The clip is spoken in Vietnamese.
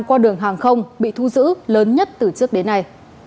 qua đường hàng không bị thu giữ lớn nhất từ trước đến nay